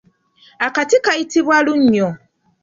Akati kayitibwa lunnyo.